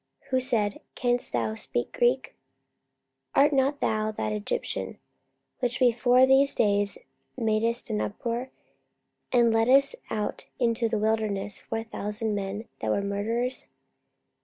Who said, Canst thou speak Greek? 44:021:038 Art not thou that Egyptian, which before these days madest an uproar, and leddest out into the wilderness four thousand men that were murderers?